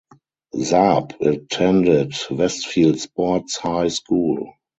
Saab attended Westfields Sports High School.